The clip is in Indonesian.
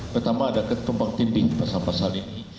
pertama ada ketumbang tipik pasal pasal ini